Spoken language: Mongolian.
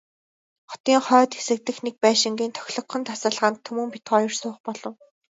Хотын хойд хэсэг дэх нэг байшингийн тохилогхон тасалгаанд Түмэн бид хоёр суух болов.